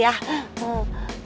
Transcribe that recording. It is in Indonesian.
sayang cantik kamu mau minuman gak